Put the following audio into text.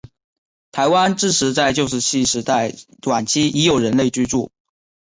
台湾至迟在旧石器时代晚期已有人类居住。